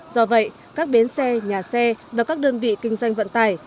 do vậy các bến xe nhà xe và các đơn vị kinh doanh vận tải